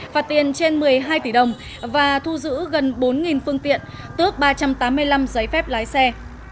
phạt tiền trên một mươi hai tỷ đồng và thu giữ gần bốn phương tiện tước ba trăm tám mươi năm giấy phép lái xe